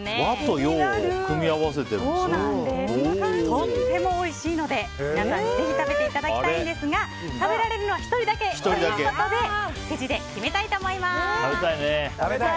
とってもおいしいので皆さんぜひ食べていただきたいんですが食べられるのは１人だけということでくじで決めたいと思います。